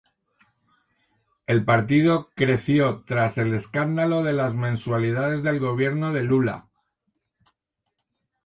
El partido creció tras el escándalo de las mensualidades del gobierno de Lula.